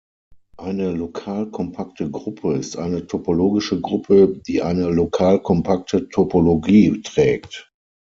Eine lokalkompakte Gruppe ist eine topologische Gruppe, die eine lokalkompakte Topologie trägt.